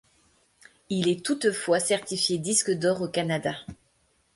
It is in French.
Il est toutefois certifié disque d'or au Canada.